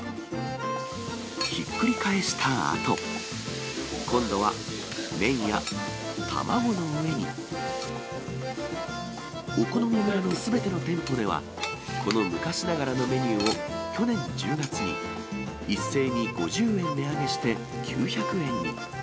ひっくり返したあと、今度は麺や卵の上に、お好み村のすべての店舗では、この昔ながらのメニューを去年１０月に一斉に５０円値上げして９００円に。